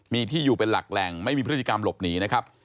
มีที่อยู่เป็นหลักแหล่งไม่มีพฤติกรรมหลบหนีนะครับ